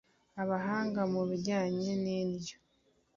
Abahanga mu bijyanye n’indyo